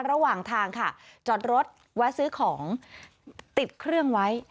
ระหว่างทางค่ะจอดรถแวะซื้อของติดเครื่องไว้